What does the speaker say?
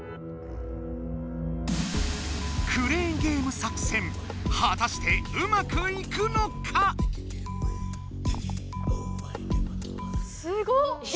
クレーンゲーム作戦はたしてうまくいくのか⁉すご！